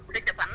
khi chụp ảnh